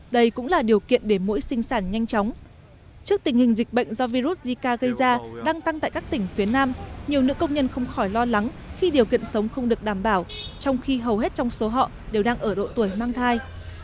đây cũng là điều kiện để mũi sinh sản nhanh chóng trước tình hình dịch bệnh do virus zika gây ra đang tăng tại các tỉnh phía nam nhiều nữ công nhân không khỏi lo lắng khi điều kiện sống không được đảm bảo trong khi hầu hết trong số họ đều đang ở độ tuổi mang thai